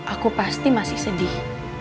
aku pasti masih sedih